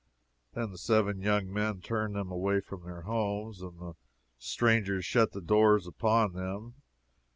Then the seven young men turned them away from their homes, and the strangers shut the doors upon them.